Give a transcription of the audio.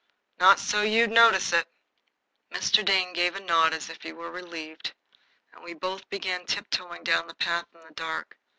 Not so you'd notice it." Mr. Dane gave a nod as if he were relieved, and we both began tiptoeing down the path in the dark.